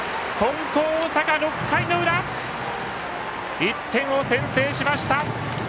金光大阪、６回の裏１点を先制しました！